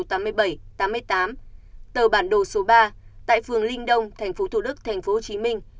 tờ bản đồ số ba tại phường linh đông thành phố thủ đức thành phố hồ chí minh